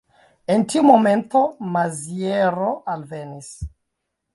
En tiu momento Maziero alvenis.